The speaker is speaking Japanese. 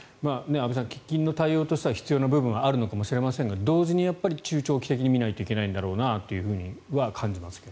安部さん喫緊の対応としては必要な部分があるのかもしれませんが同時に中長期的に見ないといけないのかなとは思いますが。